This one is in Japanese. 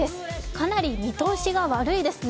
かなり見通しが悪いですね。